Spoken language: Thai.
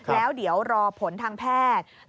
แล้วเดี๋ยวรอผลทางแพทย์